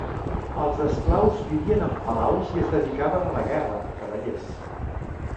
Els esclaus vivien en palaus i es dedicaven a la guerra, cavallers.